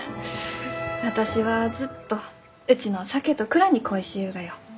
私はずっとうちの酒と蔵に恋しゆうがよ。